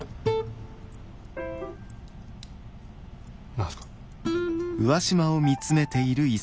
何すか？